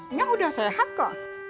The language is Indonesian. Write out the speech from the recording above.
ini udah sehat kok